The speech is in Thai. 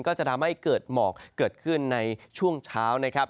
ก็จะทำให้เกิดหมอกเกิดขึ้นในช่วงเช้านะครับ